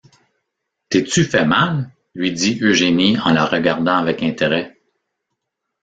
T’es-tu fait mal? lui dit Eugénie en la regardant avec intérêt.